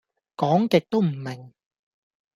講極都唔明